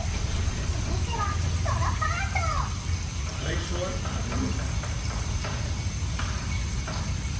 続いては最初はなるみ。